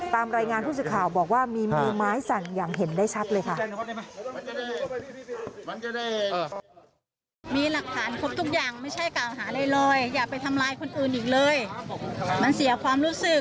ตามรายงานผู้สื่อข่าวบอกว่ามีมือไม้สั่นอย่างเห็นได้ชัดเลยค่ะ